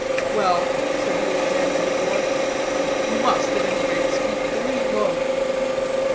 "Well," said the old man to the boy, "you must, at any rate, speak very low."